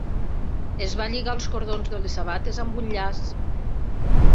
Es va lligar els cordons de les sabates amb un llaç.